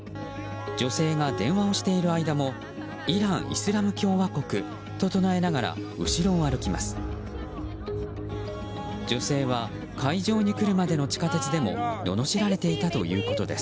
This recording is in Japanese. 女性が電話をしている間もイラン・イスラム共和国と唱えながら、後ろを歩きます。